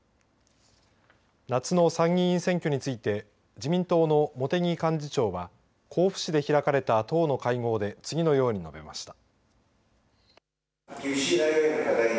夏の参議院選挙について自民党の茂木幹事長は甲府市で開かれた党の会合で次のように述べました。